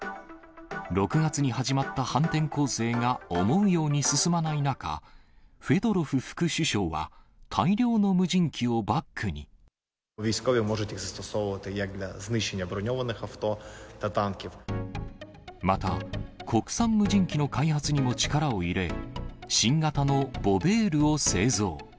６月に始まった反転攻勢が思うように進まない中、フェドロフ副首相は、大量の無人機をバックに。また、国産無人機の開発にも力を入れ、新型のボベールを製造。